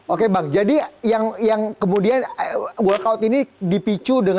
oke bang jadi yang kemudian workout ini dipicu